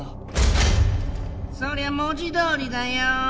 そりゃ文字どおりだよ。